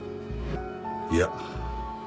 いや。